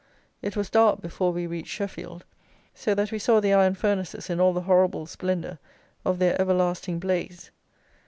It was dark before we reached Sheffield; so that we saw the iron furnaces in all the horrible splendour of their everlasting blaze.